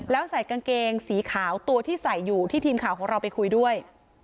แล้วใส่กางเกงสีขาวตัวที่ใส่อยู่ที่ทีมข่าวของเราไปคุยด้วย